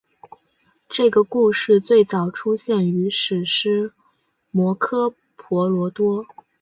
这个故事最早出现于史诗摩诃婆罗多。